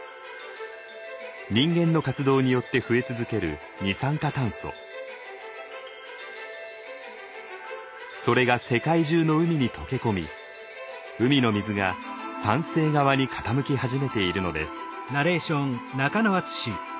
人間の活動によって増え続けるそれが世界中の海に溶け込み海の水が酸性側に傾き始めているのです。